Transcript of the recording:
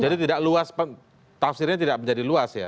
jadi tafsirnya tidak menjadi luas ya